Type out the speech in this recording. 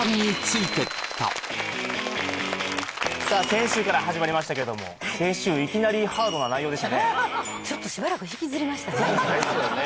先週から始まりましたけども先週いきなりハードな内容でしたねちょっとしばらく引きずりましたね